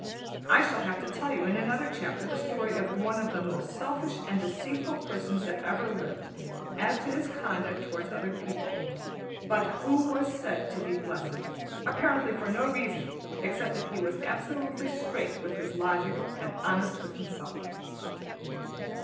I shall have to tell you in another chapter the story of one of the most selfish and deceitful persons that ever lived, as to his conduct towards other people, but who was said to be blessed, apparently for no reason except that he was absolutely straight with his logic and honest with himself.